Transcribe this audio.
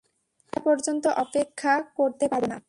সন্ধ্যা পর্যন্ত অপেক্ষা করতে পারব না।